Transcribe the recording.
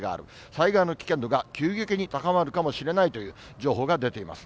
災害の危険度が急激に高まるかもしれないという情報が出ています。